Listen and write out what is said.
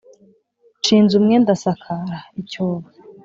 Nshinze umwe ndasakara :icyobo